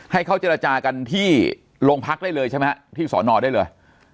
ให้เขาเจรจากันที่โรงพักได้เลยใช่ไหมฮะที่สอนอได้เลย